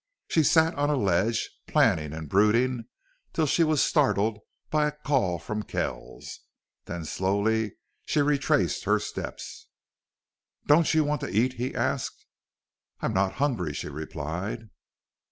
She sat on a ledge, planning and brooding, till she was startled by a call from Kells. Then slowly she retraced her steps. "Don't you want to eat?" he asked. "I'm not hungry," she replied.